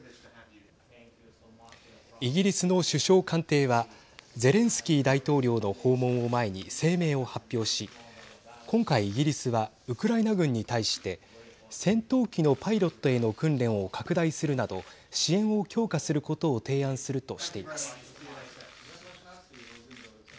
イギリスの首相官邸はゼレンスキー大統領の訪問を前に声明を発表し、今回イギリスはウクライナ軍に対して戦闘機のパイロットへの訓練を拡大するなど支援を強化することを提案するとしています。